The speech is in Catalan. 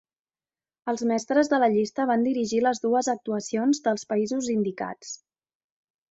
Els mestres de la llista van dirigir les dues actuacions dels països indicats.